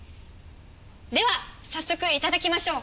では早速いただきましょう！